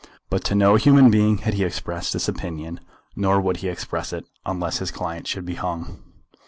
But to no human being had he expressed this opinion; nor would he express it, unless his client should be hung.